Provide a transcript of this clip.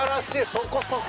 そこそこ！